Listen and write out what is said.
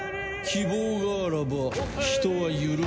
希望があらば人は緩む。